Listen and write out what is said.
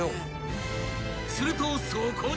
［するとそこに］